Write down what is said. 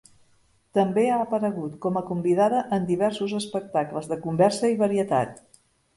També ha aparegut com a convidada en diversos espectacles de conversa i varietat.